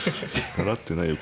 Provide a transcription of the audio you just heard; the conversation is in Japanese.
習ってないよ